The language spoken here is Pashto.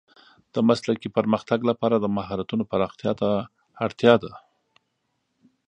د مسلکي پرمختګ لپاره د مهارتونو پراختیا ته اړتیا ده.